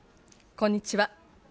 こんにちは。